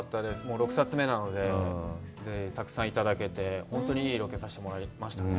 ６冊目なので、たくさんいただけて本当にいいロケをさせてもらいましたね。